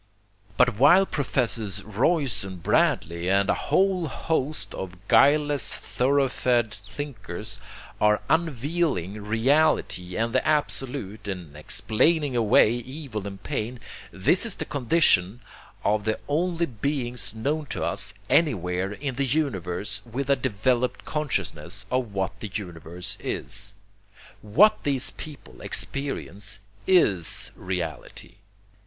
But while Professors Royce and Bradley and a whole host of guileless thoroughfed thinkers are unveiling Reality and the Absolute and explaining away evil and pain, this is the condition of the only beings known to us anywhere in the universe with a developed consciousness of what the universe is. What these people experience IS Reality.